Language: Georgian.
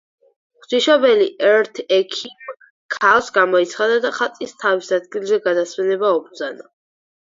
ღვთისმშობელი ერთ ექიმ ქალს გამოეცხადა და ხატის თავის ადგილზე გადასვენება უბრძანა.